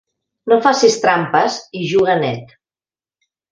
No facis trampes i juga net.